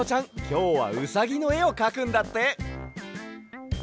きょうはうさぎのえをかくんだって。